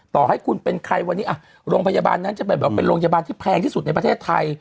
ต่อให้คุณเป็นใครวันนี้โรงพยาบาลนั้นจะเป็นแบบเป็นโรงพยาบาลที่แพงที่สุดในประเทศไทย